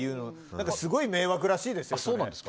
すごい迷惑らしいですよ。